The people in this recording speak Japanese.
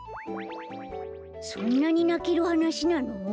そんなになけるはなしなの？